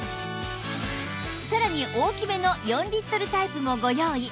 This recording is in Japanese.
さらに大きめの４リットルタイプもご用意